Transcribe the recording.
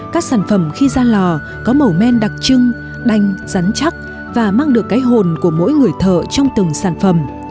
các sản phẩm khi ra lò có màu men đặc trưng đanh rắn chắc và mang được cái hồn của mỗi người thợ trong từng sản phẩm